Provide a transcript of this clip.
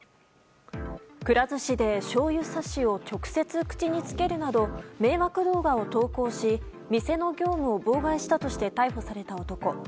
くら寿司でしょうゆさしを直接口につけるなど迷惑動画を投稿し店の業務を妨害したとして逮捕された男。